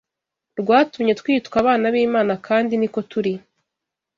rwatumye twitwa abana b’Imana kandi ni ko turi